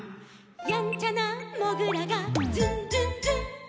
「やんちゃなもぐらがズンズンズン」